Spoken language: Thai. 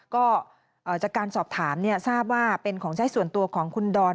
ก็จากการสอบถามทราบว่าเป็นของใช้ส่วนตัวของคุณดอน